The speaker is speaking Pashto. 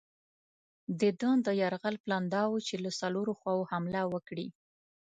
د ده د یرغل پلان دا وو چې له څلورو خواوو حمله وکړي.